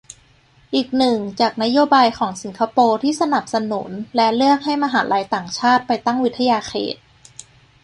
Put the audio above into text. อีกหนึ่ง จากนโยบายของสิงคโปร์ที่สนับสนุน และเลือก ให้มหาลัยต่างชาติไปตั้งวิทยาเขต